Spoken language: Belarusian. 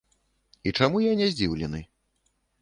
І чаму я не здзіўлены?